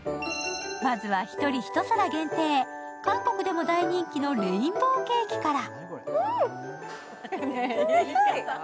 まずは１人１皿限定、韓国でも大人気のレインボーケーキから。